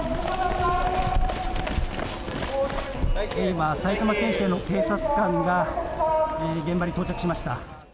今、埼玉県警の警察官が現場に到着しました。